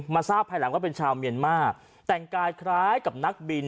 ทราบภายหลังว่าเป็นชาวเมียนมาแต่งกายคล้ายกับนักบิน